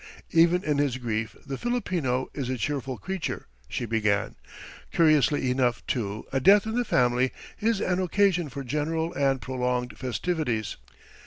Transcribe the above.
"Even in his grief the Filipino is a cheerful creature," she began; "curiously enough, too, a death in the family is an occasion for general and prolonged festivities.